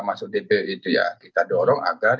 masuk tpu itu ya kita dorong agar